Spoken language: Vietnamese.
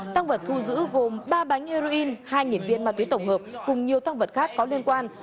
tăng vật thu giữ gồm ba bánh heroin hai viên ma túy tổng hợp cùng nhiều tăng vật khác có liên quan